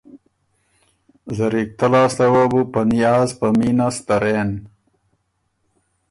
زرِکته لاسته وه بو په نیاز په مینه سترېن